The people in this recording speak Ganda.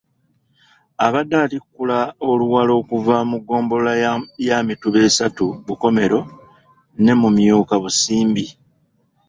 Abadde atikkula Oluwalo okuva mu ggombolola ya Mituba III Bukomero ne Mumyuka-Busimbi